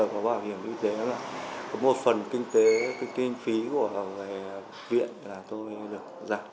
và bảo hiểm y tế là một phần kinh tế kinh phí của viện là tôi được giảm